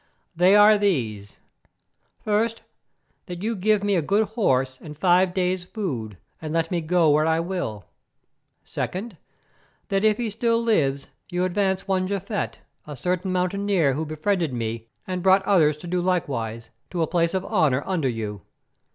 "They are these: First, that you give me a good horse and five days' food, and let me go where I will. Secondly, that if he still lives you advance one Japhet, a certain Mountaineer who befriended me and brought others to do likewise, to a place of honour under you.